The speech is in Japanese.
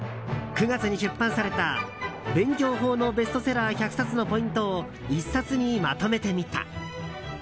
９月に出版された「“勉強法のベストセラー１００冊”のポイントを１冊にまとめてみた。」。